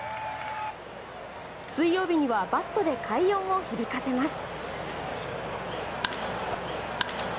水曜日にはバットで快音を響かせます。